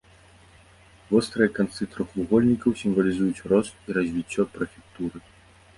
Вострыя канцы трохвугольнікаў сімвалізуюць рост і развіццё прэфектуры.